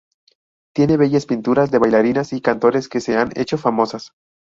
Tiene bellas pinturas de bailarinas y cantores que se han hecho famosas.